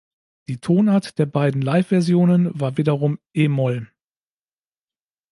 Die Tonart der beiden Live-Versionen war wiederum e-Moll.